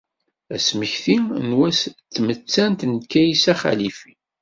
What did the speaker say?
Asmekti n wass n tmettant n Kaysa Xalifi.